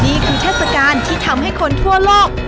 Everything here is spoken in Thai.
เทศกาลที่ทำให้คนทั่วโลก